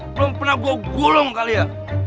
belum pernah gua gulung kali ya